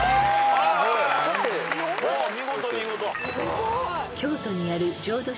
見事見事。